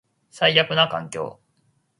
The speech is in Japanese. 最悪な環境